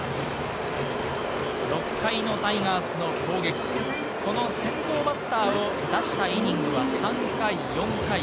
６回のタイガースの攻撃、この先頭バッターを出したイニングは３回、４回。